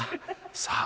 さあ。